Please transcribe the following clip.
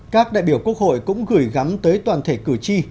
các đại biểu quốc hội cũng gửi gắm tới toàn thể cử tri